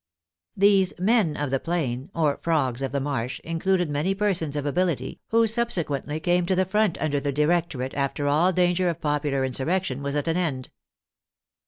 These *^ men of the plain," or " frogs of the marsh," in cluded many persons of ability, who subsequently came to the front under the Directorate, after all danger of popular insurrection was at an end.